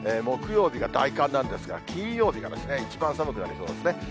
木曜日が大寒なんですが、金曜日がですね、一番寒くなりそうですね。